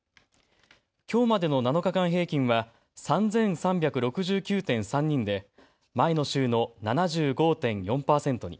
きょうまでの７日間平均は３３６９．３人で前の週の７５．４％に。